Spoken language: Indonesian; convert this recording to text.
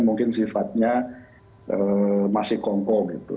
mungkin sifatnya masih kongko gitu